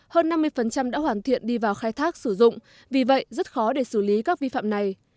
hơn năm mươi đã hoàn thiện đi vào khai thác sử dụng vì vậy rất khó để xử lý các vi phạm này